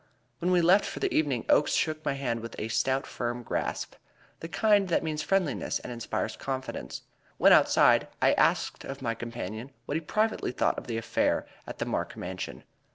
When we left for the evening, Oakes shook my hand with a stout, firm grasp, the kind that means friendliness and inspires confidence. When outside, I asked of my companion what he privately thought of the affair at the Mark Mansion.